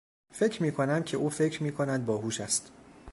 فکر میکنم که او فکر میکند باهوش است